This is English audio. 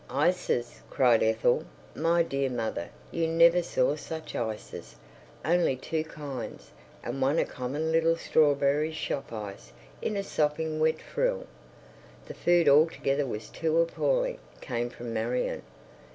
"Ices!" cried Ethel. "My dear mother, you never saw such ices. Only two kinds. And one a common little strawberry shop ice, in a sopping wet frill." "The food altogether was too appalling," came from Marion.